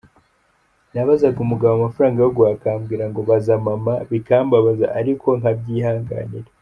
Nabazaga umugabo amafaranga yo guhaha akambwira ngo ‘Baza mama’ bikambabaza ariko nkabyihanganira.